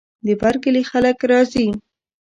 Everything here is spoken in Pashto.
د بر کلي خلک راځي.